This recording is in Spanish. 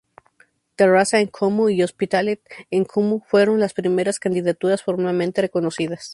Terrassa en Comú y Hospitalet en Comú fueron las primeras candidaturas formalmente reconocidas.